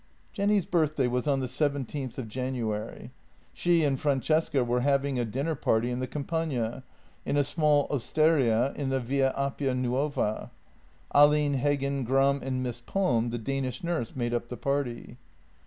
Jenny's birthday was on the seventeenth of January. She and Francesca were having a dinner party in the Campagna, in a small osteria in the Via Appia Nuova. Ahlin, Heggen, Gram, and Miss Palm, the Danish nurse, made up the party.